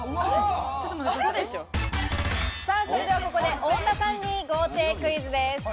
それではここで太田さんに豪邸クイズです。